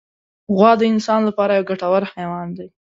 غوا د انسان له پاره یو ګټور حیوان دی.